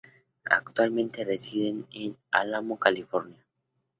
Actualmente residen en Alamo, California.